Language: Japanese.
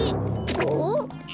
おっ！